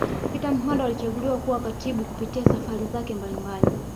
Peter Muhando alichaguliwa kuwa katibu Kupitia Safari zake mbalimbali